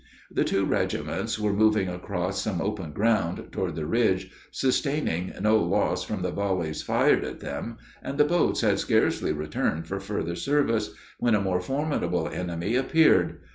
The two regiments were moving across some open ground, toward the ridge, sustaining no loss from the volleys fired at them, and the boats had scarcely returned for further service when a more formidable enemy appeared.